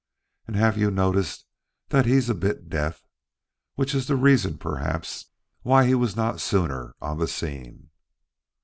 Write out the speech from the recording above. And have you noticed that he's a bit deaf, which is the reason, perhaps, why he was not sooner on the scene?"